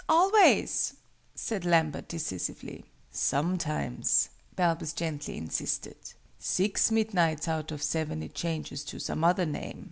"Always," said Lambert, decisively. "Sometimes," Balbus gently insisted. "Six midnights out of seven, it changes to some other name."